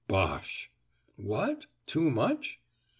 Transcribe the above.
"Bosh!" "What, too much?"